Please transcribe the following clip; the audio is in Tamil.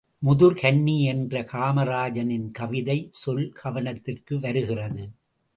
முதிர் கன்னி என்ற காமராஜனின் கவிதைச் சொல் கவனத்துக்கு வருகிறது.